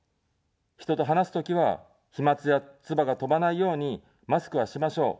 人と話すときは、飛まつや、唾が飛ばないように、マスクはしましょう。